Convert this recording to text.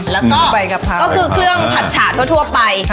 แล้วก็คือเครื่องผัดฉาดเพราะทั่วไป